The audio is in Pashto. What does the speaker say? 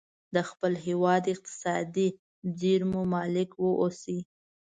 د خپل هیواد اقتصادي زیرمو مالک واوسي.